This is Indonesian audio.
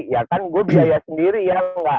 ya kan gue biaya sendiri ya